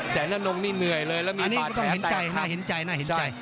แสน่านงนี่เหนื่อยเลยแล้วมีตัววันเห็นใจหน้าเห็นใจหน้าเห็นใจ